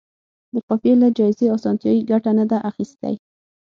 د قافیې له جائزې اسانتیا یې ګټه نه ده اخیستې.